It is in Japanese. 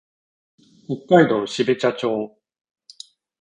北海道標茶町